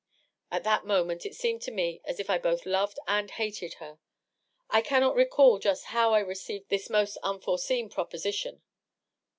At that moment it seemed to me as if I both loved and hated her. I cannot recall just how I received this most unforeseen proposition.